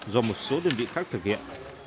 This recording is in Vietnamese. do một số đơn vị khác thực hiện